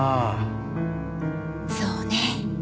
そうね。